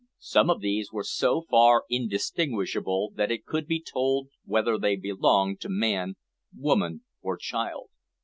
Some of these were so far distinguishable that it could be told whether they belonged to man, woman, or child.